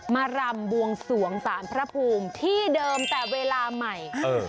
รำบวงสวงสารพระภูมิที่เดิมแต่เวลาใหม่เออ